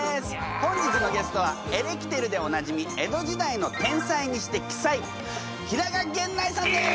本日のゲストはエレキテルでおなじみ江戸時代の天才にして奇才平賀源内さんです！